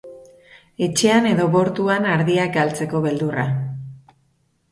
Etxean edo bortuan ardiak galtzeko beldurra.